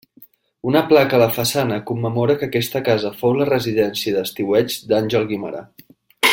Una placa a la façana commemora que aquesta casa fou la residència d'estiueig d'Àngel Guimerà.